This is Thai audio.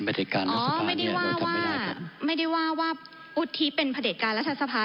ประเด็จการรัฐสภาเนี้ยอ๋อไม่ได้ว่าไม่ได้ว่าอุทธิเป็นประเด็จการรัฐสภา